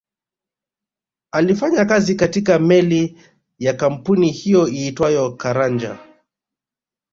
Alifanya kazi katika meli ya kampuni hiyo iitwayo Caranja